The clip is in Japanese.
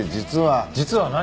実は何？